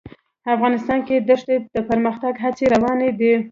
افغانستان کې د دښتې د پرمختګ هڅې روانې دي.